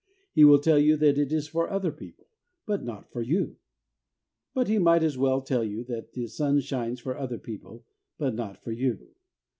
He will tell you that it is for other people, but not for you. But he might as well tell you that the sun shines for other people, but not for you